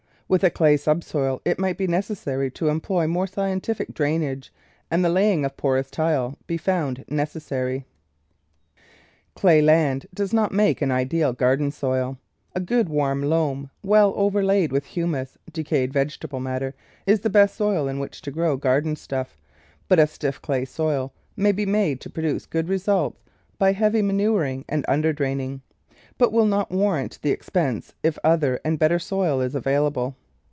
With a clay subsoil it might be necessary to employ more scientific drainage, and the laying of porous tile be found necessary. Clay land does not make an ideal garden soil. A good warm loam, well overlaid with humus — decayed vegetable matter — is the best soil in which to grow garden stuff, but a stiff clay soil may be made to produce good results by heavy manuring and underdraining, but will not warrant the ex pense if other and better soil is available.